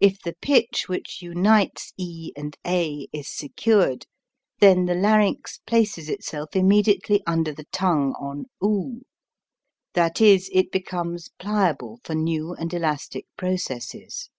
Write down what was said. If the pitch which unites e and a is secured, then the larynx places itself immediately under the tongue on 55; that is, it becomes pliable for new and elastic processes.